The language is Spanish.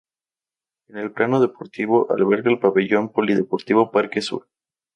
En el plano deportivo alberga el Pabellón Polideportivo Parque Sur.